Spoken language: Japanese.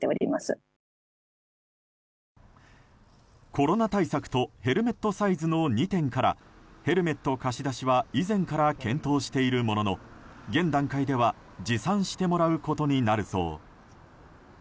コロナ対策とヘルメットサイズの２点からヘルメット貸し出しは以前から検討しているものの現段階では持参してもらうことになるそう。